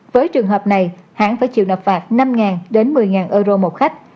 với trường hợp này hãng phải chịu nạp phạt năm đến một mươi euro một khách